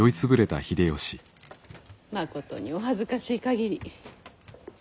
まことにお恥ずかしい限り。